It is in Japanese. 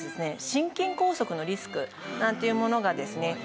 心筋梗塞のリスクなんていうものがですね